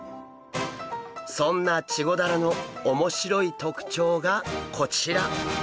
そんなチゴダラの面白い特徴がこちら！